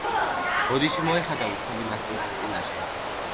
ბოდიში მოეხადა უცნობი მასპინძლის წინაშე.